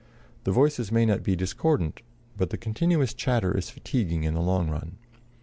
The voices may not be discordant, but continuous chatter is fatiguing in the long run.